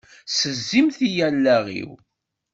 Tessezzimt-iyi allaɣ-iw!